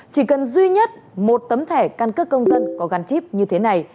chỉ cần duy nhất một tấm thẻ căn cước công dân có gắn chip như thế này